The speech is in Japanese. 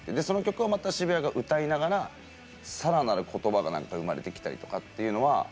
その曲をまた渋谷が歌いながらさらなる言葉がなんか生まれてきたりとかっていうのは。